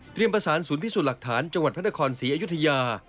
ประสานศูนย์พิสูจน์หลักฐานจังหวัดพระนครศรีอยุธยา